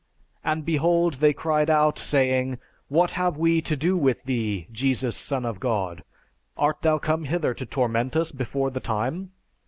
And, behold, they cried out, saying, 'What have we to do with thee, Jesus, Son of God? Art thou come hither to torment us before the time?'